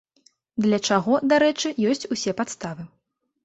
Для чаго, дарэчы, ёсць усе падставы.